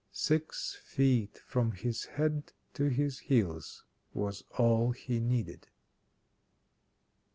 Six feet from his head to his heels was all he needed.